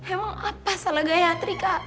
emang apa salah gayatri kak